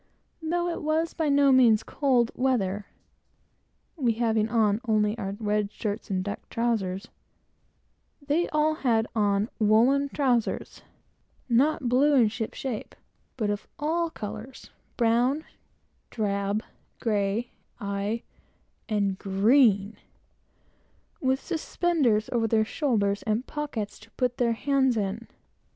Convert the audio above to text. Though it was by no means cold weather, (we having on only our red shirts and duck trowsers,) they all had on woollen trowsers not blue and shipshape but of all colors brown, drab, grey, aye, and green, with suspenders over their shoulders, and pockets to put their hands in.